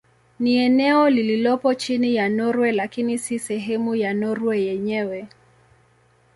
Ni eneo lililopo chini ya Norwei lakini si sehemu ya Norwei yenyewe.